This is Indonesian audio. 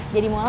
jadi mau lagi